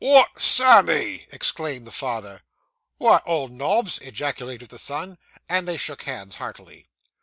'What, Sammy!' exclaimed the father. 'What, old Nobs!' ejaculated the son. And they shook hands heartily.